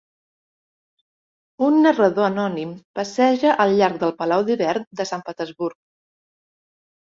Un narrador anònim passeja al llarg del Palau d'Hivern de Sant Petersburg.